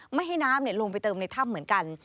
ไม่ให้น้ำลงไปเติมในถ้ำเหมือนกัน